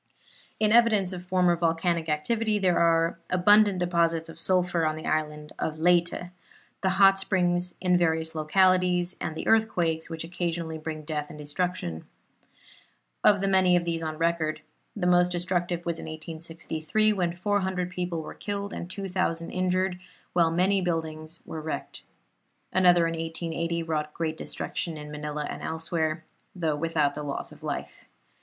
In evidence of former volcanic activity are the abundant deposits of sulphur on the island of Leyte, the hot springs in various localities, and the earthquakes which occasionally bring death and destruction. Of the many of these on record, the most destructive was in 1863, when 400 people were killed and 2,000 injured, while many buildings were wrecked. Another in 1880 wrought great destruction in Manila and elsewhere, though without loss of life.